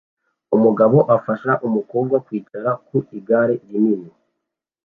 Umugabo afasha umukobwa kwicara ku igare rinini